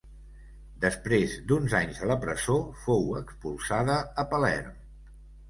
Després d'uns anys a la presó, fou expulsada a Palerm.